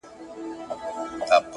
سیاه پوسي ده، ستا غمِستان دی.